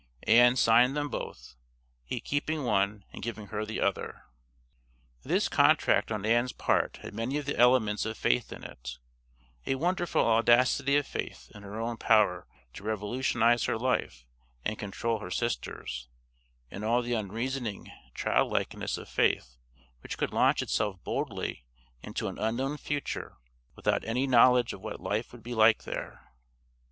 Ann signed them both, he keeping one and giving her the other. This contract on Ann's part had many of the elements of faith in it a wonderful audacity of faith in her own power to revolutionise her life and control her sister's, and all the unreasoning child likeness of faith which could launch itself boldly into an unknown future without any knowledge of what life would be like there.